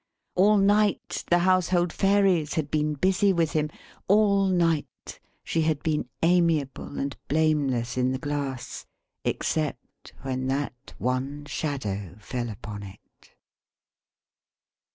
All night, the household Fairies had been busy with him. All night, she had been amiable and blameless in the Glass, except when that one shadow fell upon it.